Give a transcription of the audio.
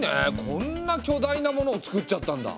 こんな巨大なものをつくっちゃったんだ！